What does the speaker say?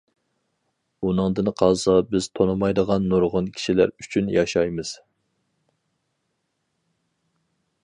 ئۇنىڭدىن قالسا بىز تونۇمايدىغان نۇرغۇن كىشىلەر ئۈچۈن ياشايمىز.